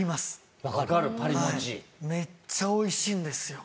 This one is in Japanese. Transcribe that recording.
めっちゃ美味しいんですよ。